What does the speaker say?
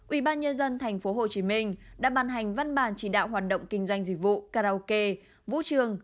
ủy ban nhân dân tp hcm đã ban hành văn bản chỉ đạo hoạt động kinh doanh dịch vụ karaoke vũ trường